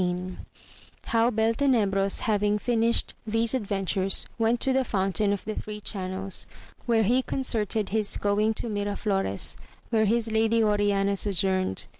— ^How Beltenebros having finished these adventures went to the Fountain of the Three Ohannels, where he concerted his going to Miraflores, where his ladj Oriana sojourned.